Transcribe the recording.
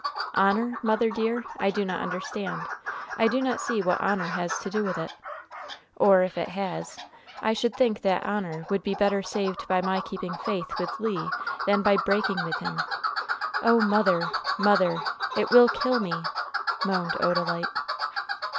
"'Honor,' mother dear? I do not understand. I do not see what honor has to do with it. Or if it has, I should think that honor would be better saved by my keeping faith with Le than by breaking with him! Oh, mother! mother! it will kill me!" moaned Odalite.